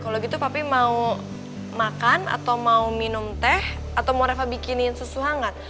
kalau gitu tapi mau makan atau mau minum teh atau mau reva bikinin susu hangat